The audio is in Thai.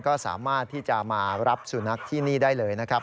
ก็สามารถที่จะมารับสุนัขที่นี่ได้เลยนะครับ